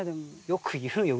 よく言うよ。